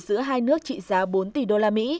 giữa hai nước trị giá bốn tỷ usd